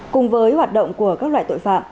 cùng với hoạt động của các loại tội phạm